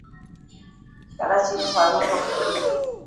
ڪراچي ۾ فارمان ڪمپني هي.